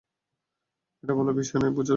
এটা বলার বিষয় নয়, বোঝার বিষয়।